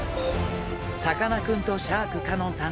さかなクンとシャーク香音さん